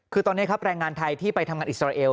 คือตอนนี้ครับแรงงานไทยที่ไปทำงานอิสราเอล